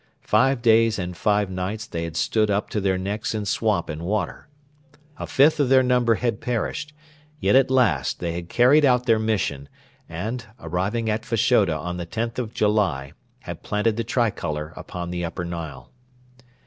Five days and five nights they had stood up to their necks in swamp and water. A fifth of their number had perished; yet at last they had carried out their mission and, arriving at Fashoda on the 10th of July, had planted the tricolour upon the Upper Nile.